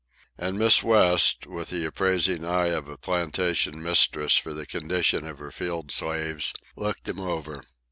And Miss West, with the appraising eye of a plantation mistress for the condition of her field slaves, looked them over.